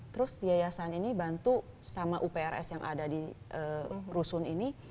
terus yayasan ini bantu sama uprs yang ada di rusun ini